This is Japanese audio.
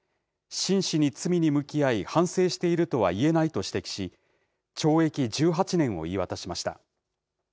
真摯に罪に向き合い、反省しているとは言えないと指摘し、懲役１８年を言い渡しました。